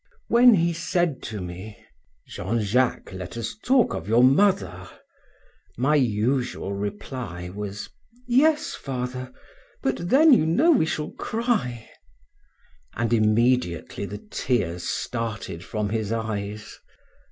When he said to me, "Jean Jacques, let us talk of your mother," my usual reply was, "Yes, father, but then, you know, we shall cry," and immediately the tears started from his eyes.